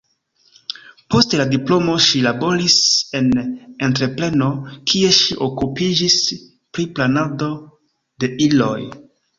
Post la diplomo ŝi laboris en entrepreno, kie ŝi okupiĝis pri planado de iloj.